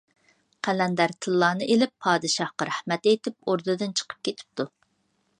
قەلەندەر تىللانى ئېلىپ، پادىشاھقا رەھمەت ئېيتىپ ئوردىدىن چىقىپ كېتىپتۇ.